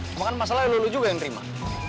cuma kan masalahnya lu juga yang nerima